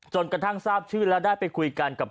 กระทั่งทราบชื่อแล้วได้ไปคุยกันกับ